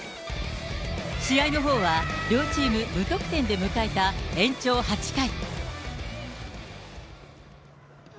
試合のほうは両チーム無得点で迎えた延長８回。